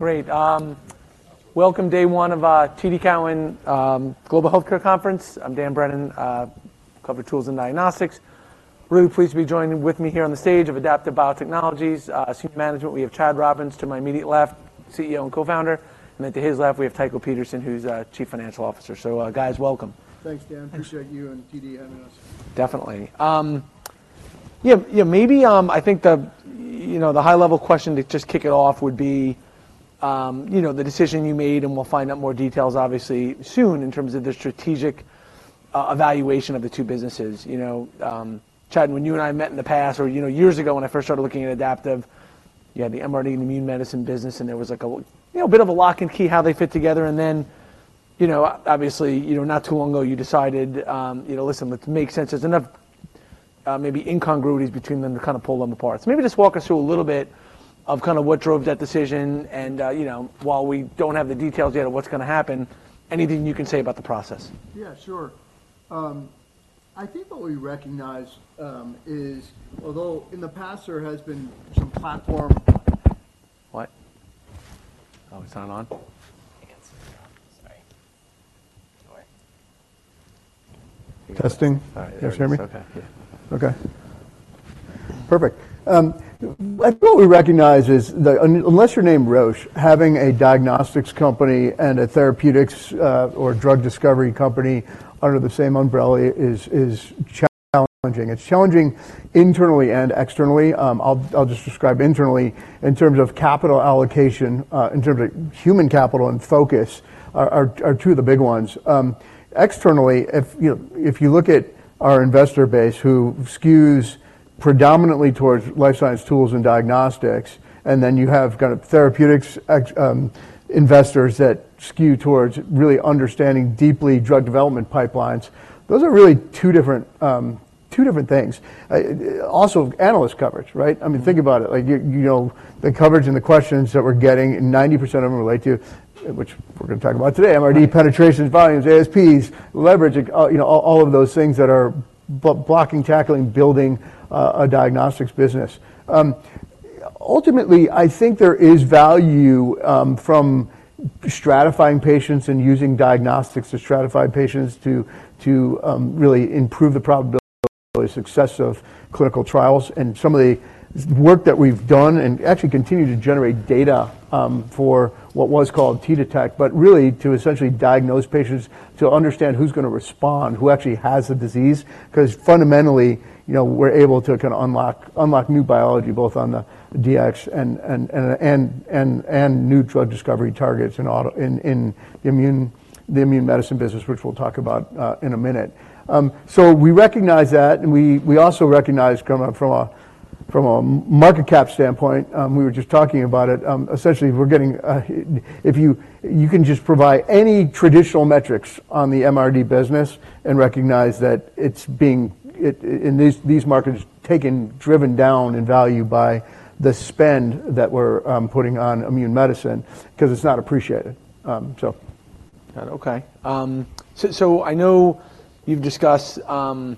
Great. Welcome to day one of the TD Cowen Global Healthcare conference. I'm Dan Brennan. I cover tools and diagnostics. Really pleased to be joining with me here on the stage of Adaptive Biotechnologies senior management. We have Chad Robins to my immediate left, CEO and co-founder, and then to his left we have Tycho Peterson, who's Chief Financial Officer. So, guys, welcome. Thanks, Dan. Appreciate you and TD having us. Definitely. Yeah, yeah, maybe, I think, you know, the high-level question to just kick it off would be, you know, the decision you made, and we'll find out more details, obviously, soon in terms of the strategic evaluation of the two businesses. You know, Chad, when you and I met in the past, or, you know, years ago when I first started looking at Adaptive, you had the MRD and Immune Medicine business, and there was like a, you know, a bit of a lock and key how they fit together. And then, you know, obviously, you know, not too long ago you decided, you know, listen, let's make sense. There's enough, maybe incongruities between them to kinda pull them apart. Maybe just walk us through a little bit of kinda what drove that decision, and, you know, while we don't have the details yet of what's gonna happen, anything you can say about the process. Yeah, sure. I think what we recognize is although in the past there has been some platform. What? Oh, it's not on? I can't see it, though. Sorry. No way. Testing? All right. Can you hear me? It's okay. Yeah. Okay. Perfect. I think what we recognize is unless your name is Roche, having a diagnostics company and a therapeutics, or drug discovery company under the same umbrella is challenging. It's challenging internally and externally. I'll just describe internally. In terms of capital allocation, in terms of human capital and focus, are two of the big ones. Externally, you know, if you look at our investor base who skews predominantly towards life science tools and diagnostics, and then you have kinda therapeutics ex investors that skew towards really understanding deeply drug development pipelines, those are really two different things. Also analyst coverage, right? I mean, think about it. Like, you know, the coverage and the questions that we're getting, 90% of them relate to, which we're gonna talk about today: MRD, penetration volumes, ASPs, leverage, you know, all of those things that are blocking, tackling, building, a diagnostics business. Ultimately, I think there is value, from stratifying patients and using diagnostics to stratify patients to really improve the probability of success of clinical trials. Some of the work that we've done and actually continue to generate data, for what was called T-Detect, but really to essentially diagnose patients, to understand who's gonna respond, who actually has the disease. 'Cause fundamentally, you know, we're able to kinda unlock new biology both on the DX and new drug discovery targets in autoimmune, in the Immune Medicine business, which we'll talk about, in a minute. So we recognize that, and we also recognize from a market cap standpoint, we were just talking about it, essentially we're getting, if you can just provide any traditional metrics on the MRD business and recognize that it's being driven down in value in these markets by the spend that we're putting on Immune Medicine 'cause it's not appreciated. So. Got it. Okay. So I know you've discussed, you know,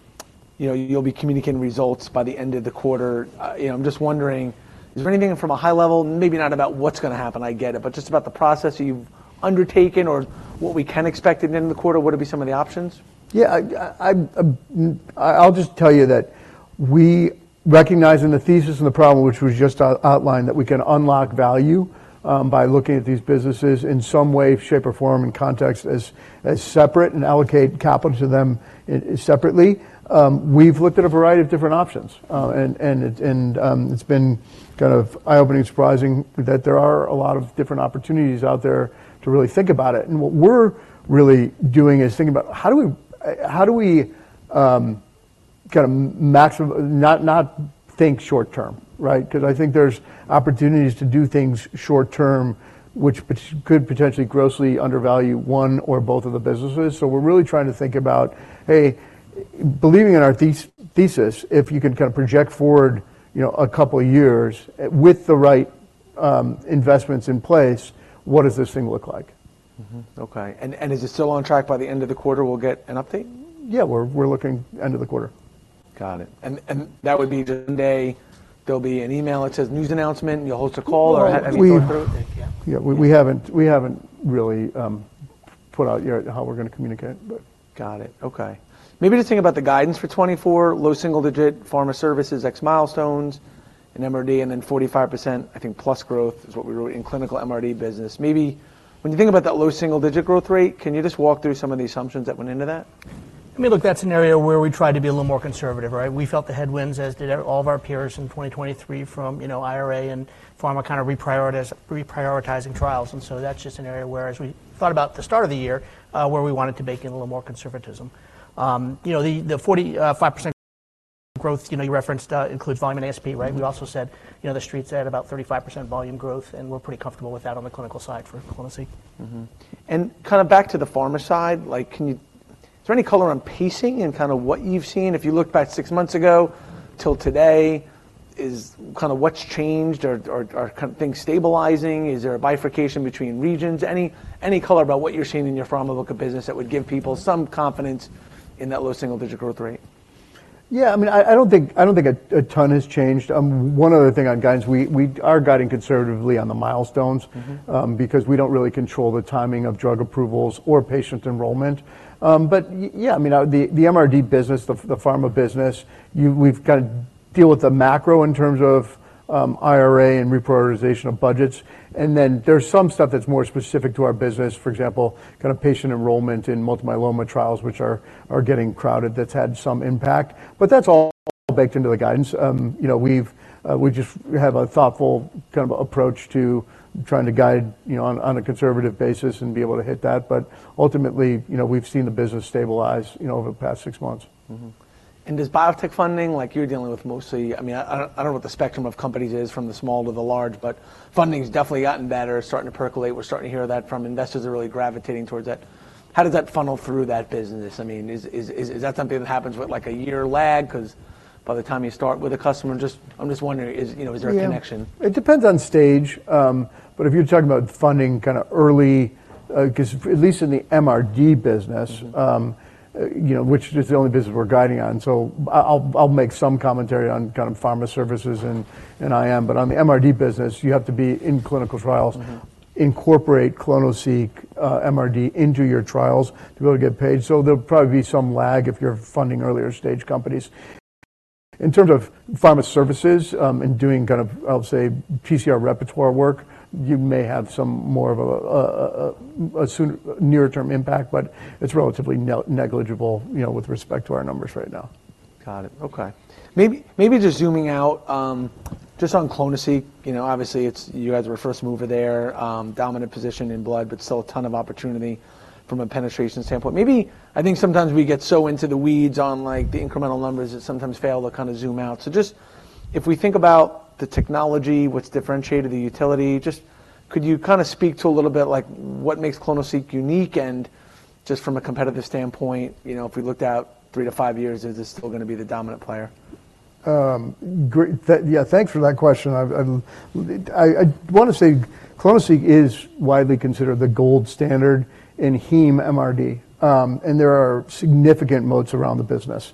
you'll be communicating results by the end of the quarter. You know, I'm just wondering, is there anything from a high level maybe not about what's gonna happen, I get it, but just about the process you've undertaken or what we can expect at the end of the quarter? What would be some of the options? Yeah. I'll just tell you that we recognize in the thesis and the problem, which was just outlined, that we can unlock value by looking at these businesses in some way, shape, or form, and in context as separate and allocate capital to them is separately. We've looked at a variety of different options, and it's been kind of eye-opening, surprising that there are a lot of different opportunities out there to really think about it. And what we're really doing is thinking about how do we kinda maximize, not think short term, right? 'Cause I think there's opportunities to do things short term, which could potentially grossly undervalue one or both of the businesses. So we're really trying to think about, hey, believing in our thesis, if you can kinda project forward, you know, a couple of years with the right investments in place, what does this thing look like? Mm-hmm. Okay. And is it still on track by the end of the quarter? We'll get an update? Yeah. We're looking end of the quarter. Got it. And that would be today. There'll be an email that says news announcement, and you'll host a call, or how do you think we'll go through it? Yeah. Yeah. We haven't really put out yet how we're gonna communicate, but. Got it. Okay. Maybe just think about the guidance for 2024: low single-digit Pharma services, ex-milestones, and MRD, and then 45%, I think, plus growth is what we wrote in clinical MRD business. Maybe when you think about that low single-digit growth rate, can you just walk through some of the assumptions that went into that? I mean, look, that's an area where we tried to be a little more conservative, right? We felt the headwinds, as did we all of our peers in 2023, from, you know, IRA and pharma kinda reprioritizing trials. And so that's just an area where, as we thought about the start of the year, where we wanted to bake in a little more conservatism. You know, the 40.5% growth, you know, you referenced, includes volume and ASP, right? We also said, you know, the Street had about 35% volume growth, and we're pretty comfortable with that on the clinical side for pharma. Mm-hmm. And kinda back to the pharma side, like, can you is there any color on pacing in kinda what you've seen? If you look back six months ago till today, is kinda what's changed? Are kinda things stabilizing? Is there a bifurcation between regions? Any color about what you're seeing in your pharma book of business that would give people some confidence in that low single-digit growth rate? Yeah. I mean, I don't think a ton has changed. One other thing on guidance, we are guiding conservatively on the milestones. Mm-hmm. Because we don't really control the timing of drug approvals or patient enrollment. But yeah, I mean, the MRD business, the pharma business, we've gotta deal with the macro in terms of IRA and reprioritization of budgets. And then there's some stuff that's more specific to our business, for example, kinda patient enrollment in multiple myeloma trials, which are getting crowded, that's had some impact. But that's all baked into the guidance. You know, we just have a thoughtful kind of approach to trying to guide, you know, on a conservative basis and be able to hit that. But ultimately, you know, we've seen the business stabilize, you know, over the past six months. Mm-hmm. And does biotech funding like, you're dealing with mostly—I mean, I don't know what the spectrum of companies is from the small to the large, but funding's definitely gotten better, starting to percolate. We're starting to hear that from investors are really gravitating towards that. How does that funnel through that business? I mean, is that something that happens with, like, a year lag? 'Cause by the time you start with a customer, I'm just wondering, you know, is there a connection? Yeah. It depends on stage. But if you're talking about funding kinda early, 'cause at least in the MRD business. Mm-hmm. You know, which is the only business we're guiding on. So I'll make some commentary on kind of Pharma Services and IM. But on the MRD business, you have to be in clinical trials. Mm-hmm. Incorporate clonoSEQ, MRD into your trials to be able to get paid. So there'll probably be some lag if you're funding earlier-stage companies. In terms of Pharma Services, and doing kind of, I'll say, PCR repertoire work, you may have some more of a sooner near-term impact, but it's relatively negligible with respect to our numbers right now. Got it. Okay. Maybe, maybe just zooming out, just on clonoSEQ, you know, obviously it's you guys were the first mover there, dominant position in blood, but still a ton of opportunity from a penetration standpoint. Maybe I think sometimes we get so into the weeds on, like, the incremental numbers that sometimes fail to kinda zoom out. So just if we think about the technology, what's differentiated the utility, just could you kinda speak to a little bit, like, what makes clonoSEQ unique? And just from a competitive standpoint, you know, if we looked out 3-5 years, is it still gonna be the dominant player? Great. Yeah, thanks for that question. I wanna say clonoSEQ is widely considered the gold standard in heme MRD. There are significant moats around the business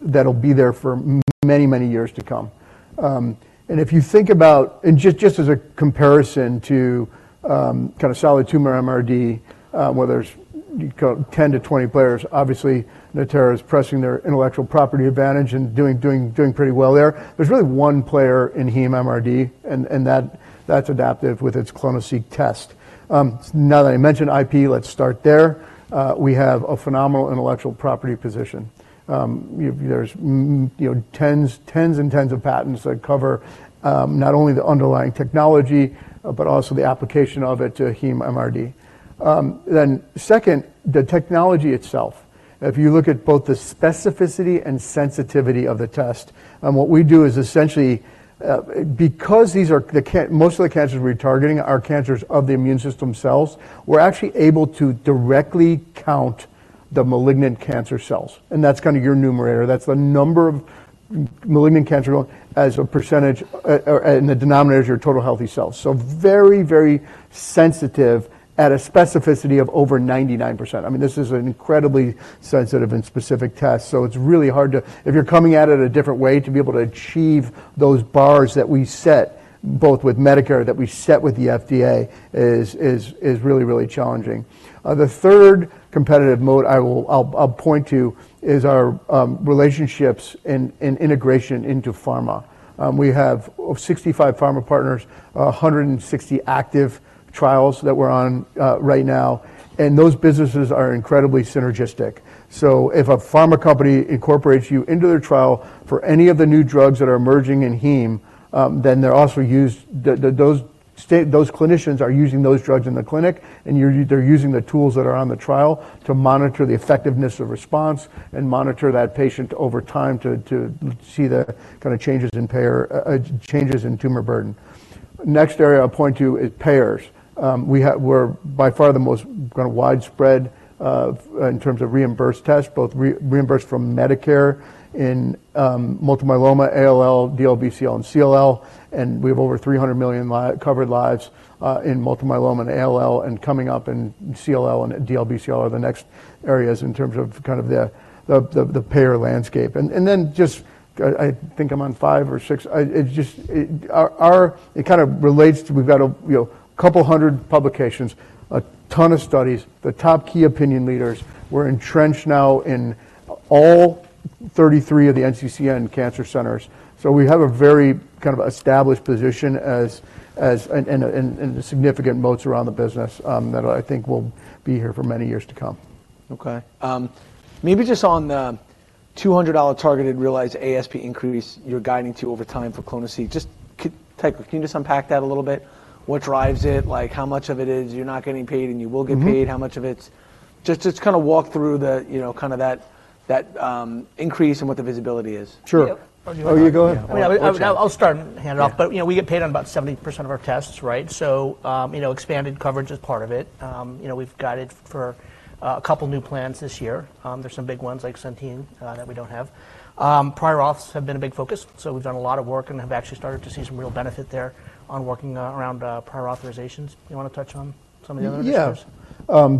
that'll be there for many, many years to come. If you think about just as a comparison to kinda solid tumor MRD, where there's kinda 10-20 players, obviously Natera is pressing their intellectual property advantage and doing, doing, doing pretty well there. There's really one player in heme MRD, and that's Adaptive with its clonoSEQ test. Now that I mentioned IP, let's start there. We have a phenomenal intellectual property position. You know, there's tens, tens and tens of patents that cover, not only the underlying technology, but also the application of it to heme MRD. Then second, the technology itself. If you look at both the specificity and sensitivity of the test, what we do is essentially, because these are the, most of the cancers we're targeting are cancers of the immune system cells, we're actually able to directly count the malignant cancer cells. And that's kinda your numerator. That's the number of malignant cancer going as a percentage, or, in the denominator is your total healthy cells. So very, very sensitive at a specificity of over 99%. I mean, this is an incredibly sensitive and specific test, so it's really hard to if you're coming at it a different way, to be able to achieve those bars that we set, both with Medicare that we set with the FDA, is really, really challenging. The third competitive moat I'll point to is our relationships and integration into pharma. We have 65 pharma partners, 160 active trials that we're on, right now, and those businesses are incredibly synergistic. So if a pharma company incorporates you into their trial for any of the new drugs that are emerging in heme, then they're also using those—those clinicians are using those drugs in the clinic, and you're—they're using the tools that are on the trial to monitor the effectiveness of response and monitor that patient over time to see the kinda changes in payer, changes in tumor burden. Next area I'll point to is payers. We're by far the most kinda widespread in terms of reimbursed tests, both reimbursed from Medicare in multiple myeloma, ALL, DLBCL, and CLL. And we have over 300 million lives covered in multiple myeloma and ALL, and coming up in CLL and DLBCL are the next areas in terms of kind of the payer landscape. And then just I think I'm on 5 or 6. It just our IT kinda relates to we've got a, you know, a couple hundred publications, a ton of studies, the top key opinion leaders. We're entrenched now in all 33 of the NCCN cancer centers. So we have a very kind of established position as an and significant moats around the business, that I think will be here for many years to come. Okay. Maybe just on the $200 targeted realized ASP increase you're guiding to over time for clonoSEQ. Just, Tycho, can you just unpack that a little bit? What drives it? Like, how much of it is you're not getting paid and you will get paid? How much of it's just, just kinda walk through the, you know, kinda that, that, increase and what the visibility is. Sure. Are you going? Oh, you're going? Yeah. Oh, yeah. I would—I'll start and hand it off. But, you know, we get paid on about 70% of our tests, right? So, you know, expanded coverage is part of it. You know, we've guided for a couple new plans this year. There's some big ones like Centene that we don't have. Prior auths have been a big focus, so we've done a lot of work and have actually started to see some real benefit there on working around prior authorizations. You wanna touch on some of the other initiatives? Yeah.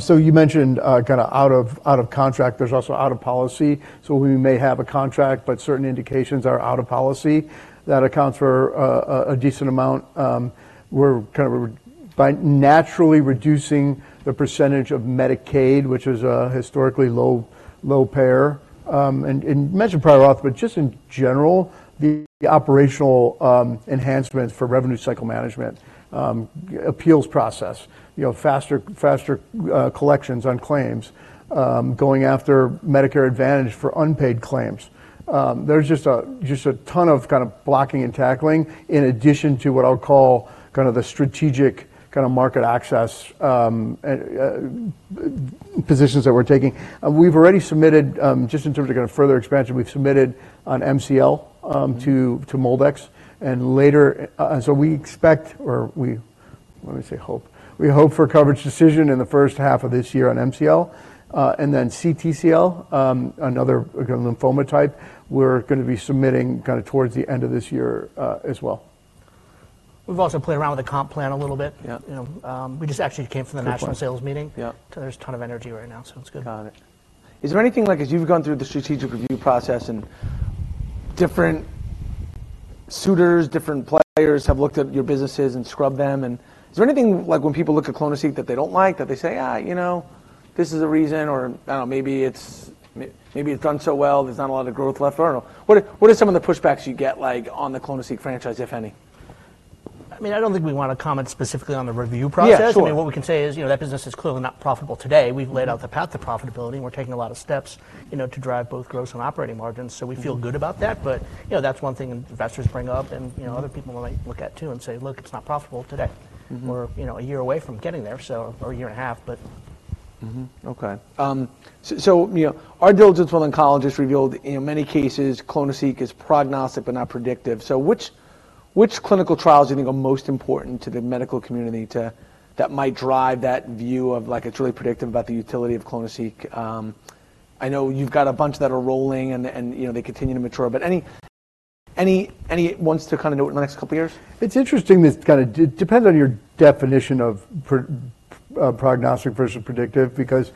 So you mentioned, kinda out of contract, there's also out of policy. So we may have a contract, but certain indications are out of policy that accounts for a decent amount. We're kinda by naturally reducing the percentage of Medicaid, which is a historically low payer. And you mentioned prior auth, but just in general, the operational enhancements for revenue cycle management, appeals process, you know, faster collections on claims, going after Medicare Advantage for unpaid claims. There's just a ton of kinda blocking and tackling in addition to what I'll call kinda the strategic market access and positions that we're taking. We've already submitted, just in terms of kinda further expansion, we've submitted on MCL to MoLDX and LCD, so we expect or we let me say hope. We hope for a coverage decision in the first half of this year on MCL, and then CTCL, another kinda lymphoma type. We're gonna be submitting kinda towards the end of this year, as well. We've also played around with the comp plan a little bit. Yeah. You know, we just actually came from the national sales meeting. Yeah. So there's a ton of energy right now, so it's good. Got it. Is there anything, like, as you've gone through the strategic review process and different suitors, different players have looked at your businesses and scrubbed them, and is there anything, like, when people look at clonoSEQ that they don't like, that they say, you know, this is a reason, or, I don't know, maybe it's maybe it's done so well. There's not a lot of growth left, or I don't know? What are some of the pushbacks you get, like, on the clonoSEQ franchise, if any? I mean, I don't think we wanna comment specifically on the review process. Yeah, sure. I mean, what we can say is, you know, that business is clearly not profitable today. We've laid out the path to profitability, and we're taking a lot of steps, you know, to drive both gross and operating margins. So we feel good about that. But, you know, that's one thing investors bring up, and, you know, other people might look at too and say, "Look, it's not profitable today. Mm-hmm. We're, you know, a year away from getting there, so or a year and a half, but. Mm-hmm. Okay. So you know, our diligence with oncologists revealed, in many cases, clonoSEQ is prognostic but not predictive. So which clinical trials do you think are most important to the medical community that might drive that view of, like, it's really predictive about the utility of clonoSEQ? I know you've got a bunch that are rolling and, you know, they continue to mature, but any wants to kinda note in the next couple years? It's interesting this kinda depends on your definition of prognostic versus predictive because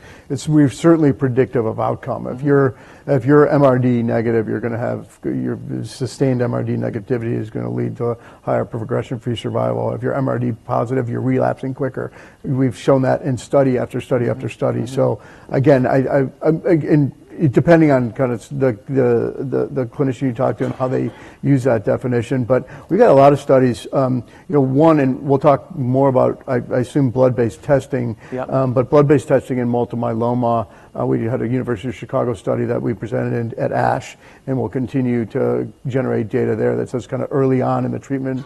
we're certainly predictive of outcome. If you're MRD negative, you're gonna have your sustained MRD negativity is gonna lead to a higher progression-free survival. If you're MRD positive, you're relapsing quicker. We've shown that in study after study after study. Mm-hmm. So again, and depending on kinda the clinician you talk to and how they use that definition. But we've got a lot of studies, you know, one and we'll talk more about, I assume, blood-based testing. Yeah. Blood-based testing in multiple myeloma, we had a University of Chicago study that we presented at ASH, and we'll continue to generate data there that says kinda early on in the treatment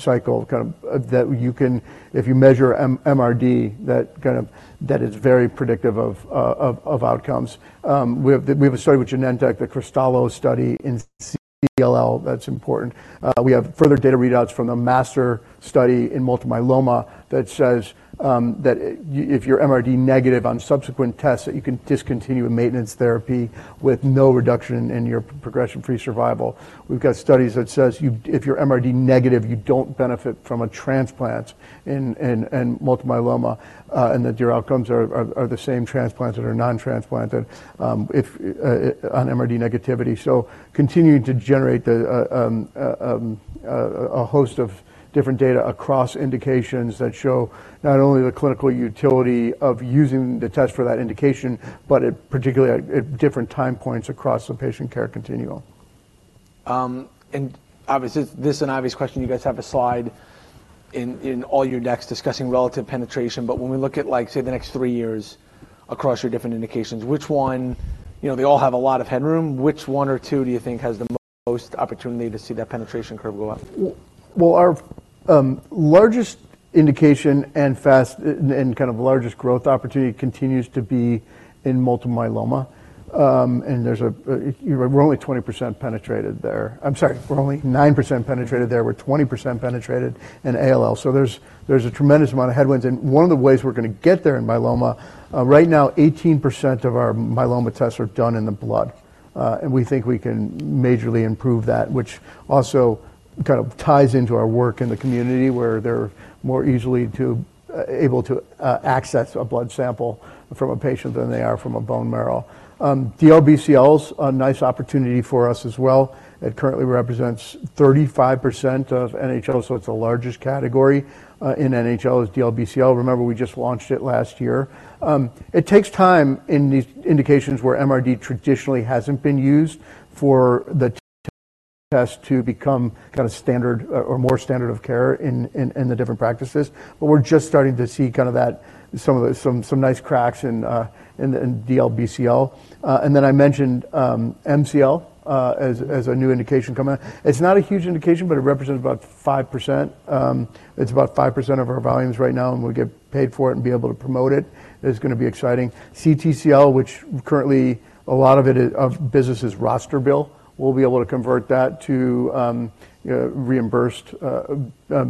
cycle kind of that you can if you measure MRD, that kind of is very predictive of outcomes. We have a study with Genentech, the Cristallo study in CLL. That's important. We have further data readouts from the MASTER study in multiple myeloma that says that if you're MRD negative on subsequent tests, that you can discontinue maintenance therapy with no reduction in your progression-free survival. We've got studies that says if you're MRD negative, you don't benefit from a transplant in multiple myeloma, and that your outcomes are the same transplanted or non-transplanted if on MRD negativity. So continuing to generate a host of different data across indications that show not only the clinical utility of using the test for that indication, but particularly at different time points across the patient-care continuum. Obviously, it's an obvious question. You guys have a slide in all your decks discussing relative penetration. But when we look at, like, say, the next three years across your different indications, which one, you know, they all have a lot of headroom. Which one or two do you think has the most opportunity to see that penetration curve go up? Well, our largest indication and fastest and kind of largest growth opportunity continues to be in multiple myeloma. There's a, you're right. We're only 20% penetrated there. I'm sorry. We're only 9% penetrated there. We're 20% penetrated in ALL. So there's a tremendous amount of headwinds. One of the ways we're gonna get there in myeloma, right now, 18% of our myeloma tests are done in the blood. We think we can majorly improve that, which also kind of ties into our work in the community where they're more easily able to access a blood sample from a patient than they are from a bone marrow. DLBCL is a nice opportunity for us as well. It currently represents 35% of NHL, so it's the largest category in NHL, DLBCL. Remember, we just launched it last year. It takes time in these indications where MRD traditionally hasn't been used for the TCR test to become kinda standard, or more standard of care in the different practices. But we're just starting to see kinda that some nice cracks in the DLBCL. And then I mentioned MCL as a new indication coming up. It's not a huge indication, but it represents about 5%. It's about 5% of our volumes right now, and we'll get paid for it and be able to promote it. It's gonna be exciting. CTCL, which currently a lot of our business is roster bill. We'll be able to convert that to, you know, reimbursed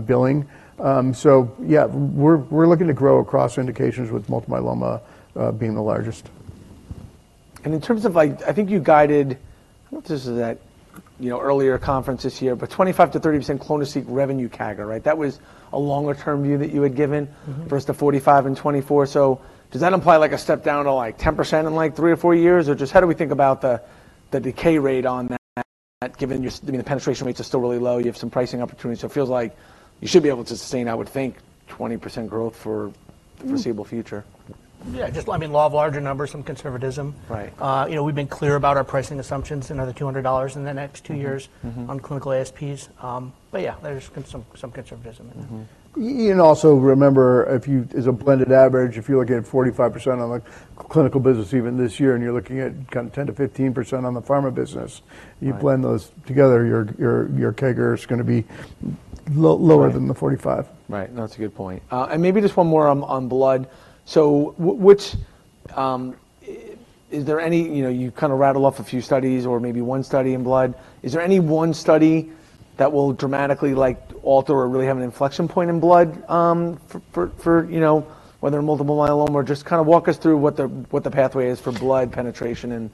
billing. So yeah, we're looking to grow across indications with multiple myeloma being the largest. In terms of, like I think you guided I don't know if this is at, you know, earlier conference this year, but 25%-30% clonoSEQ revenue CAGR, right? That was a longer-term view that you had given. Mm-hmm. Versus the 45% and 24%. So does that imply, like, a step down to, like, 10% in, like, three or four years? Or just how do we think about the decay rate on that, given your—I mean, the penetration rates are still really low. You have some pricing opportunities. So it feels like you should be able to sustain, I would think, 20% growth for the foreseeable future. Mm-hmm. Yeah. Just I mean, law of larger numbers, some conservatism. Right. You know, we've been clear about our pricing assumptions in another $200 in the next two years. Mm-hmm. On clinical ASPs. But yeah, there's some conservatism in that. Mm-hmm. You can also remember, if you as a blended average, if you're looking at 45% on the clinical business even this year, and you're looking at kinda 10%-15% on the pharma business, you blend those together, your CAGR is gonna be lower than the 45. Right. No, that's a good point. And maybe just one more on, on blood. So, is there any you know, you kinda rattle off a few studies or maybe one study in blood. Is there any one study that will dramatically, like, alter or really have an inflection point in blood, for, for, you know, whether multiple myeloma or just kinda walk us through what the pathway is for blood penetration and,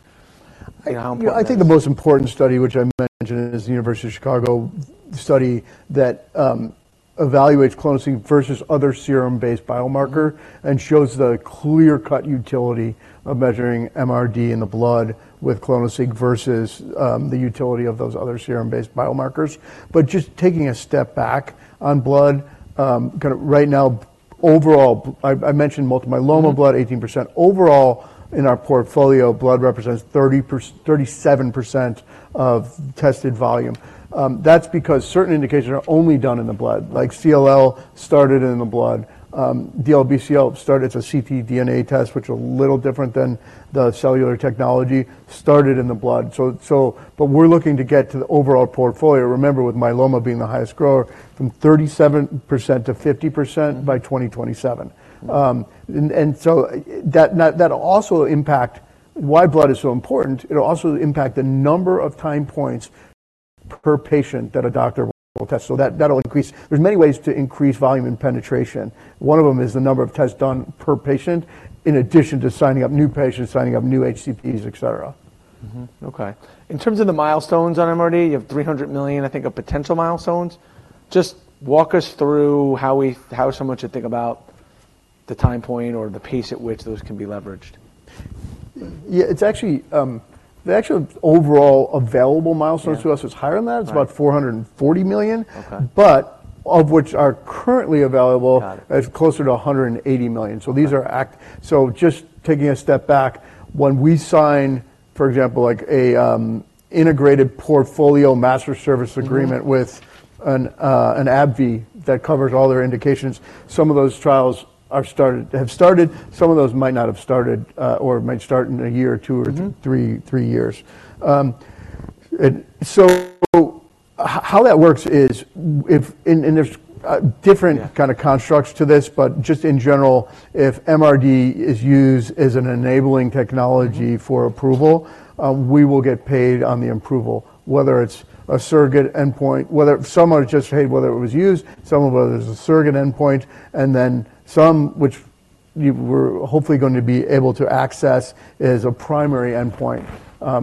you know, how important it is? Yeah. I think the most important study, which I mentioned, is the University of Chicago study that evaluates clonoSEQ versus other serum-based biomarkers and shows the clear-cut utility of measuring MRD in the blood with clonoSEQ versus the utility of those other serum-based biomarkers. But just taking a step back on blood, kinda right now, overall, I mentioned multiple myeloma blood, 18%. Overall, in our portfolio, blood represents 30%-37% of tested volume. That's because certain indications are only done in the blood. Like, CLL started in the blood. DLBCL started; it's a ctDNA test, which is a little different than the cellular technology, started in the blood. So, but we're looking to get to the overall portfolio. Remember, with myeloma being the highest grower, from 37% to 50% by 2027. Mm-hmm. And so I think that'll also impact why blood is so important. It'll also impact the number of time points per patient that a doctor will test. So that'll increase. There's many ways to increase volume and penetration. One of them is the number of tests done per patient in addition to signing up new patients, signing up new HCPs, etc. Mm-hmm. Okay. In terms of the milestones on MRD, you have $300 million, I think, of potential milestones. Just walk us through how someone should think about the time point or the pace at which those can be leveraged. Yeah. It's actually, the actual overall available milestones to us is higher than that. It's about $440 million. Okay. But of which are currently available. Got it. It's closer to $180 million. So these are actually so just taking a step back, when we sign, for example, like, a integrated portfolio master service agreement with an AbbVie that covers all their indications, some of those trials have started. Some of those might not have started, or might start in a year or two or three years. So how that works is if and there's different kind of constructs to this, but just in general, if MRD is used as an enabling technology for approval, we will get paid on the approval, whether it's a surrogate endpoint whether some are just paid whether it was used, some of whether there's a surrogate endpoint, and then some, which you were hopefully going to be able to access, is a primary endpoint.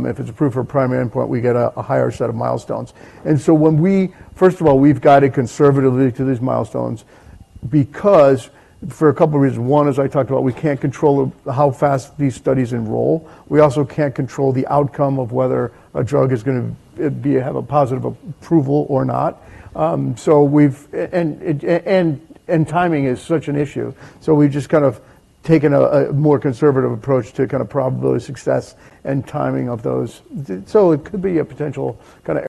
If it's approved for a primary endpoint, we get a higher set of milestones. So when we first of all, we've guided conservatively to these milestones because for a couple of reasons. One, as I talked about, we can't control how fast these studies enroll. We also can't control the outcome of whether a drug is gonna have a positive approval or not. So we've, and it and timing is such an issue. So we've just kind of taken a more conservative approach to kinda probability of success and timing of those. So it could be a potential kinda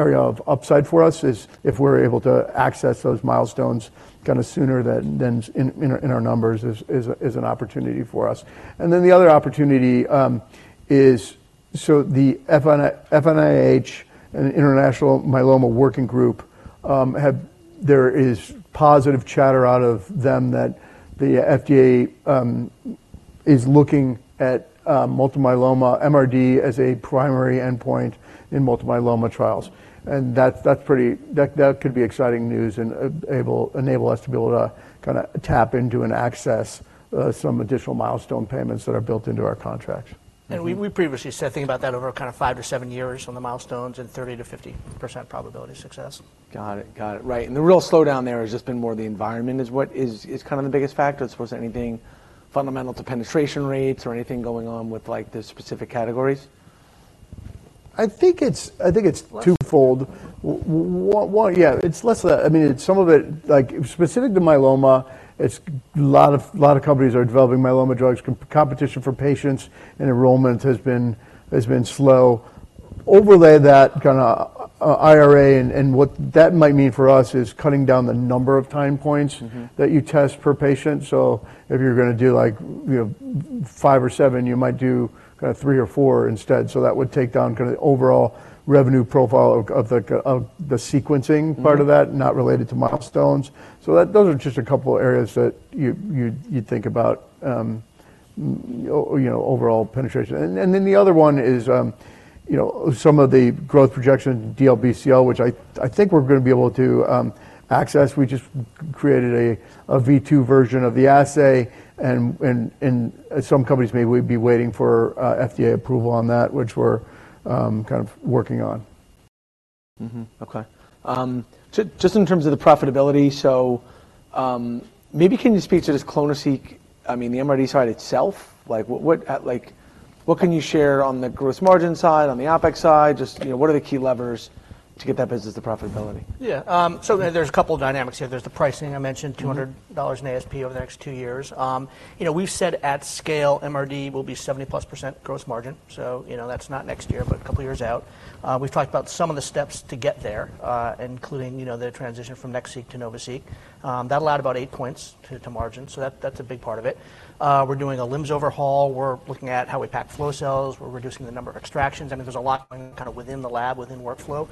area of upside for us if we're able to access those milestones kinda sooner than in our numbers is an opportunity for us. And then the other opportunity is the FNIH and International Myeloma Working Group. There is positive chatter out of them that the FDA is looking at multiple myeloma MRD as a primary endpoint in multiple myeloma trials. And that's pretty exciting news and could enable us to be able to kinda tap into and access some additional milestone payments that are built into our contracts. And we previously said something about that over kinda 5-7 years on the milestones and 30%-50% probability of success. Got it. Got it. Right. And the real slowdown there has just been more the environment is what is kinda the biggest factor as opposed to anything fundamental to penetration rates or anything going on with, like, the specific categories? I think it's twofold. It's less of that. I mean, it's some of it, like, specific to myeloma, it's a lot of companies are developing myeloma drugs. Competition for patients and enrollment has been slow. Overlay that kind of IRA, and what that might mean for us is cutting down the number of time points. Mm-hmm. That you test per patient. So if you're gonna do, like, you know, five or seven, you might do kinda three or four instead. So that would take down kinda the overall revenue profile of the sequencing part of that, not related to milestones. So those are just a couple of areas that you think about, you know, overall penetration. And then the other one is, you know, some of the growth projections, DLBCL, which I think we're gonna be able to access. We just created a v2 version of the assay. And some companies maybe would be waiting for FDA approval on that, which we're kind of working on. Mm-hmm. Okay. Just in terms of the profitability, so, maybe can you speak to just clonoSEQ, I mean, the MRD side itself? Like, what, like what can you share on the gross margin side, on the OpEx side? Just, you know, what are the key levers to get that business to profitability? Yeah. So there's a couple of dynamics here. There's the pricing I mentioned, $200 in ASP over the next two years. You know, we've said at scale, MRD will be 70%+ gross margin. So, you know, that's not next year, but a couple of years out. We've talked about some of the steps to get there, including, you know, the transition from NextSeq to NovaSeq. That allowed about eight points to margin. So that's a big part of it. We're doing a LIMS overhaul. We're looking at how we pack flow cells. We're reducing the number of extractions. I mean, there's a lot going on kinda within the lab, within workflow.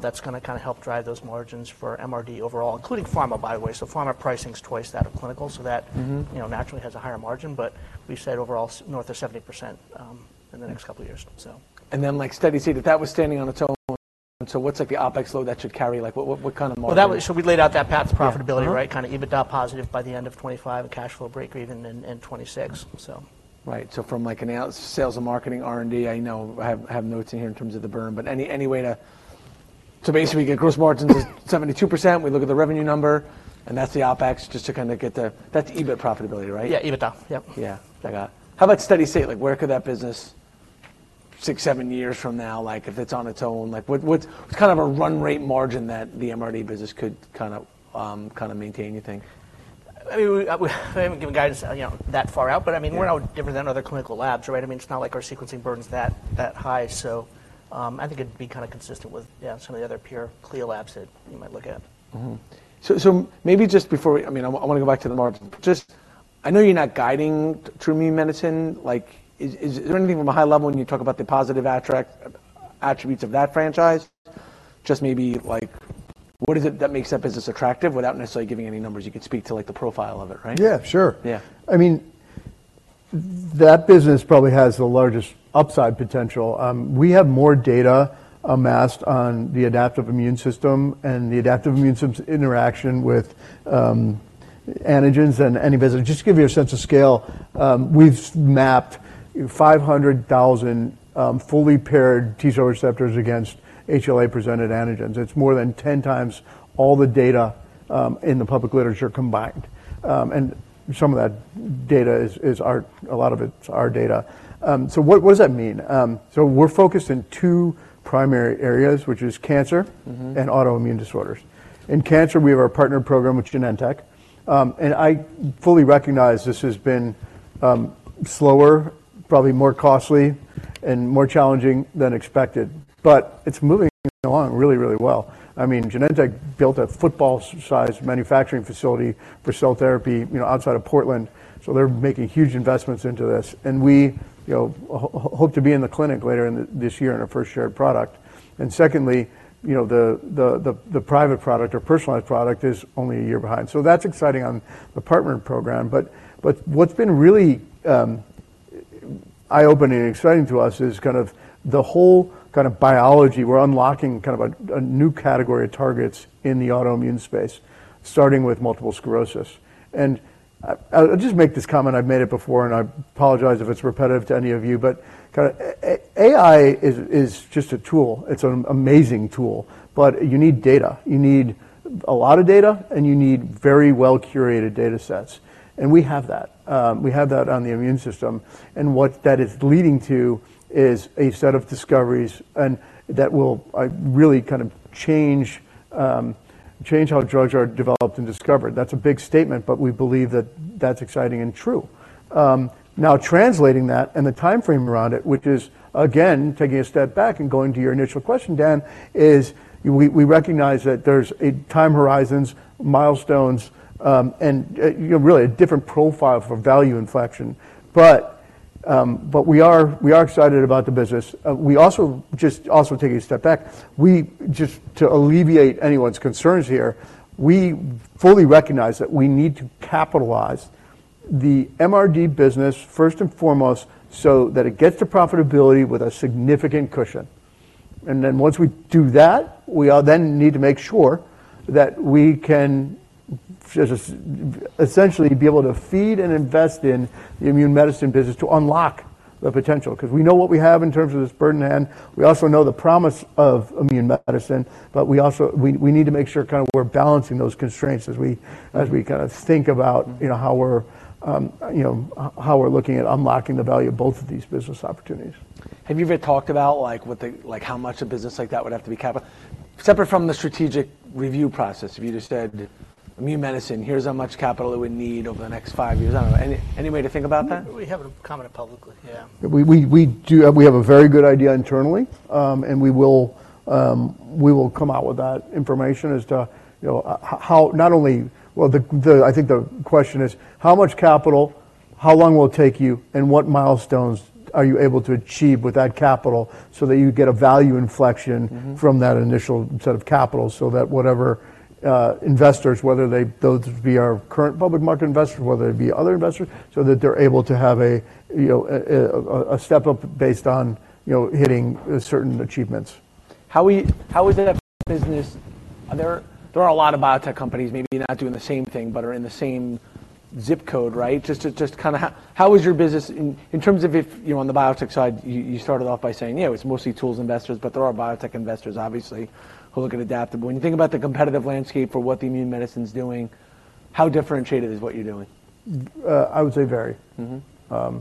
That's gonna kinda help drive those margins for MRD overall, including pharma, by the way. So pharma pricing's twice that of clinical. So that. Mm-hmm. You know, naturally has a higher margin. But we've said overall, it's north of 70% in the next couple of years, so. Then, like, studies say that that was standing on its own. So what's, like, the OpEx load that should carry? Like, what kind of margin? Well, that was, so we laid out that path to profitability, right, kinda EBITDA positive by the end of 2025 and cash flow break-even in 2026, so. Right. So from, like, analysis, sales, and marketing, R&D, I know I have notes in here in terms of the burn. But any way to basically get gross margins is 72%. We look at the revenue number, and that's the OPEX just to kinda get the, that's EBIT profitability, right? Yeah. EBITDA. Yep. Yeah. I got it. How about steady state? Like, where could that business six, seven years from now, like, if it's on its own, like, what's kind of a run-rate margin that the MRD business could kinda maintain, you think? I mean, we haven't given guidance, you know, that far out. But I mean, we're no different than other clinical labs, right? I mean, it's not like our sequencing burden's that high. So, I think it'd be kinda consistent with, yeah, some of the other peer CLIA labs that you might look at. Mm-hmm. So maybe just before we, I mean, I wanna go back to the margin. Just, I know you're not guiding to me, Nitin. Like, is there anything from a high level when you talk about the positive attractive attributes of that franchise? Just maybe, like, what is it that makes that business attractive without necessarily giving any numbers? You could speak to, like, the profile of it, right? Yeah. Sure. Yeah. I mean, that business probably has the largest upside potential. We have more data amassed on the adaptive immune system and the adaptive immune system's interaction with antigens than any business. Just to give you a sense of scale, we've mapped, you know, 500,000 fully paired T-cell receptors against HLA-presented antigens. It's more than 10 times all the data in the public literature combined. And some of that data is our. A lot of it's our data. So what does that mean? So we're focused in two primary areas, which is cancer. Mm-hmm. And autoimmune disorders. In cancer, we have our partner program with Genentech, and I fully recognize this has been slower, probably more costly, and more challenging than expected. But it's moving along really, really well. I mean, Genentech built a football-sized manufacturing facility for cell therapy, you know, outside of Portland. So they're making huge investments into this. And we, you know, hope to be in the clinic later in the this year in our first shared product. And secondly, you know, the private product or personalized product is only a year behind. So that's exciting on the partner program. But what's been really eye-opening and exciting to us is kind of the whole kind of biology. We're unlocking kind of a new category of targets in the autoimmune space, starting with multiple sclerosis. And I, I'll just make this comment. I've made it before, and I apologize if it's repetitive to any of you. But kinda AI is just a tool. It's an amazing tool. But you need data. You need a lot of data, and you need very well-curated data sets. And we have that. We have that on the immune system. And what that is leading to is a set of discoveries and that will really kinda change how drugs are developed and discovered. That's a big statement, but we believe that that's exciting and true. Now translating that and the time frame around it, which is, again, taking a step back and going to your initial question, Dan, is we recognize that there's time horizons, milestones, and, you know, really a different profile for value inflection. But we are excited about the business. We're also just taking a step back. We just want to alleviate anyone's concerns here. We fully recognize that we need to capitalize the MRD business first and foremost so that it gets to profitability with a significant cushion. And then once we do that, we'll then need to make sure that we can essentially be able to feed and invest in the Immune Medicine business to unlock the potential. 'Cause we know what we have in terms of this burden ahead. We also know the promise of Immune Medicine. But we also, we need to make sure kinda we're balancing those constraints as we kinda think about, you know, how we're, you know, how we're looking at unlocking the value of both of these business opportunities. Have you ever talked about, like, what the like, how much a business like that would have to be capital separate from the strategic review process? If you just said, "Immune Medicine, here's how much capital it would need over the next five years." I don't know. Any way to think about that? We haven't commented publicly. Yeah. We do have a very good idea internally. And we will come out with that information as to, you know, how not only well, I think the question is, how much capital, how long will it take you, and what milestones are you able to achieve with that capital so that you get a value inflection. Mm-hmm. From that initial set of capital so that whatever investors, whether they those be our current public market investors, whether they be other investors, so that they're able to have a, you know, a step up based on, you know, hitting certain achievements. How is that business? Are there a lot of biotech companies maybe not doing the same thing but are in the same zip code, right? Just to kinda how is your business in terms of if, you know, on the biotech side, you started off by saying, "Yeah. It's mostly tools investors." But there are biotech investors, obviously, who look at Adaptive. When you think about the competitive landscape for what the Immune Medicine's doing, how differentiated is what you're doing? I would say very. Mm-hmm.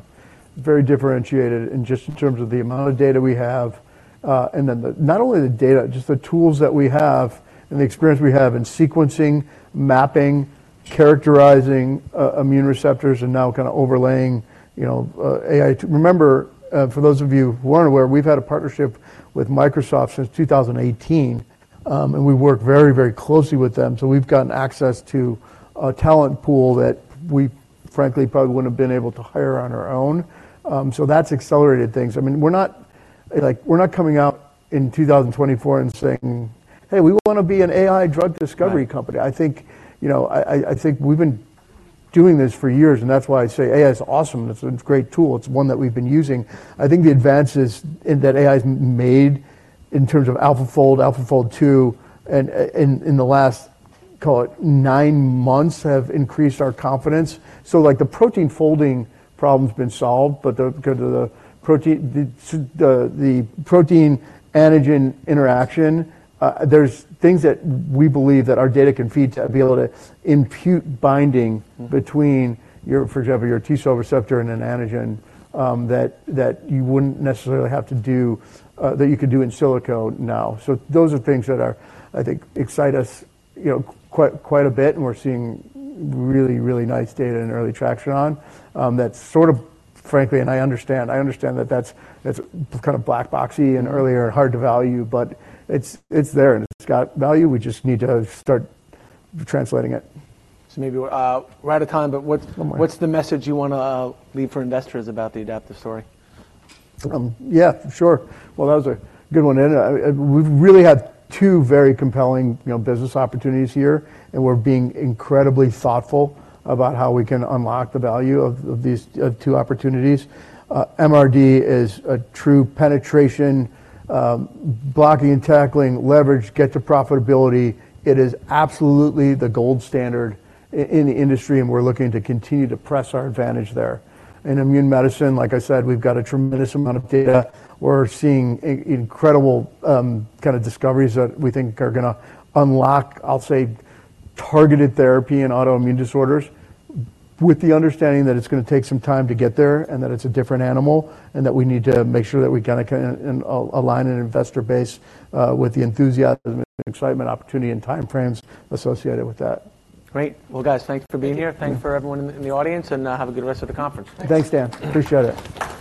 Very differentiated in just in terms of the amount of data we have. And then the not only the data, just the tools that we have and the experience we have in sequencing, mapping, characterizing, immune receptors, and now kinda overlaying, you know, AI to remember, for those of you who aren't aware, we've had a partnership with Microsoft since 2018. And we work very, very closely with them. So we've gotten access to a talent pool that we, frankly, probably wouldn't have been able to hire on our own. So that's accelerated things. I mean, we're not a like, we're not coming out in 2024 and saying, "Hey. We wanna be an AI drug discovery company." I think, you know, I think we've been doing this for years. And that's why I say AI is awesome. It's a great tool. It's one that we've been using. I think the advances in that AI's made in terms of AlphaFold, AlphaFold 2, and in the last, call it, nine months have increased our confidence. So, like, the protein folding problem's been solved, but 'cause of the protein, the protein-antigen interaction, there's things that we believe that our data can feed to be able to impute binding. Mm-hmm. Between, for example, your T-cell receptor and an antigen, that you wouldn't necessarily have to do, that you could do in silico now. So those are things that are, I think, excite us, you know, quite a bit. And we're seeing really, really nice data and early traction on that, that's sort of frankly and I understand. I understand that that's kinda black boxy and earlier hard to value. But it's there, and it's got value. We just need to start translating it. Maybe we're out of time. But what's. One more. What's the message you wanna leave for investors about the Adaptive story? Yeah. Sure. Well, that was a good one. And we've really had two very compelling, you know, business opportunities here. And we're being incredibly thoughtful about how we can unlock the value of these two opportunities. MRD is a true penetration, blocking and tackling, leverage, get to profitability. It is absolutely the gold standard in the industry. And we're looking to continue to press our advantage there. In Immune Medicine, like I said, we've got a tremendous amount of data. We're seeing incredible, kinda discoveries that we think are gonna unlock, I'll say, targeted therapy in autoimmune disorders with the understanding that it's gonna take some time to get there and that it's a different animal and that we need to make sure that we kinda can align an investor base with the enthusiasm and excitement, opportunity, and time frames associated with that. Great. Well, guys, thanks for being here. Thanks for everyone in the audience. Have a good rest of the conference. Thanks. Thanks, Dan. Appreciate it.